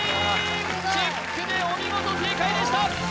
チェックでお見事正解でした！